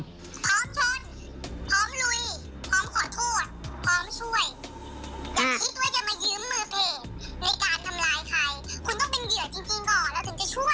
อยากคิดว่าจะมายึ้มมือเผ็ดในการทำร้ายใคร